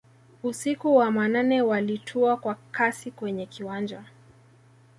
usiku wa manane Walitua kwa kasi kwenye kiwanja